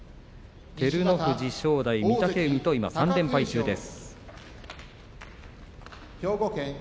照ノ富士、正代、御嶽海と今、３連敗中です。